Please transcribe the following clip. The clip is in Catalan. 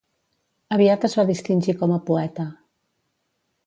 Aviat es va distingir com a poeta.